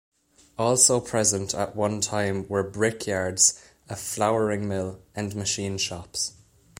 Also present at one time were brickyards, a flouring mill, and machine shops.